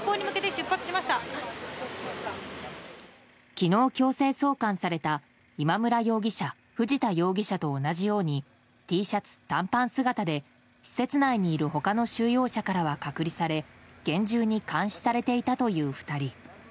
昨日、強制送還された今村容疑者、藤田容疑者と同じように、Ｔシャツ短パン姿で施設内にいる他の収容者からは隔離され厳重に監視されていたという２人。